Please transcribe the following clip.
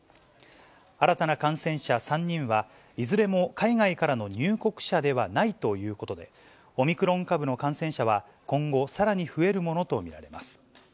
新たな感染者３人は、いずれも海外からの入国者ではないということで、オミクロン株の感染者は今後、さらに増えるものと見られます。